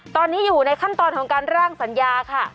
ตอนนี้อยู่ในขั้นตอนของการร่างสัญญาค่ะ